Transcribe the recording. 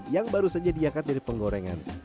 yang baru saja diangkat dari penggorengan